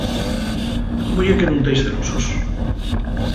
¿Cómo ye que nun tais celosos?